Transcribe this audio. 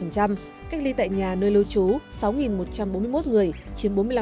cách ly tại nhà nơi lưu trú sáu một trăm bốn mươi một người chiếm bốn mươi năm